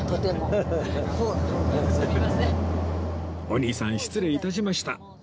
お兄さん失礼致しました